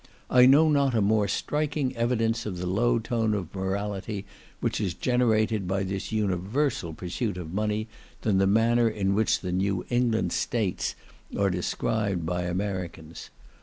I know not a more striking evidence of the low tone of morality which is generated by this universal pursuit of money, than the manner in which the New England States are described by Americans.